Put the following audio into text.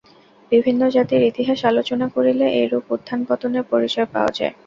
বিভিন্ন জাতির ইতিহাস আলোচনা করিলে এইরূপ উত্থান-পতনেরই পরিচয় পাওয়া যায়।